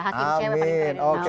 hakim cewek paling keren di indonesia